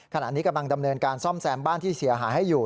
ขณะนี้กำลังดำเนินการซ่อมแซมบ้านที่เสียหายให้อยู่